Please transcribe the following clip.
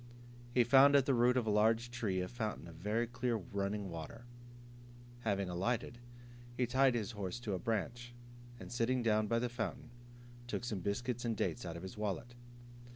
He found at the root of a large tree a fountain of very clear running water. Having alighted, he tied his horse to a branch, and sitting down by the fountain, took some biscuits and dates out of his wallet.